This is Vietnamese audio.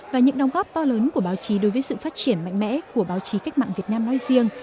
và những đồng góp to lớn của báo chí đối với sự phát triển mạnh mẽ của báo chí cách mạng việt nam nói riêng